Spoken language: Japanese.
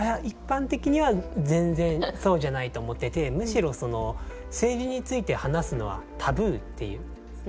一般的には全然そうじゃないと思っててむしろその政治について話すのはタブーっていう。